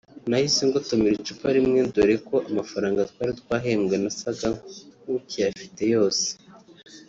nahise ngotomera icupa rimwe dore ko amafranga twari twahembwe nasaga nk’ukiyafite yose